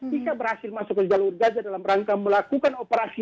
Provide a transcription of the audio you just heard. jika berhasil masuk ke jalur gaza dalam rangka melakukan operasi